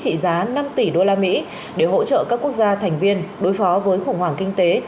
trị giá năm tỷ usd để hỗ trợ các quốc gia thành viên đối phó với khủng hoảng kinh tế